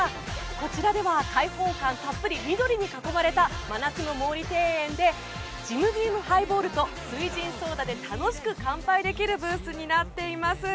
こちらでは開放感たっぷり緑に囲まれた真夏の毛利庭園でジムビームハイボールと翠ジンソーダで楽しく乾杯できるブースになっています。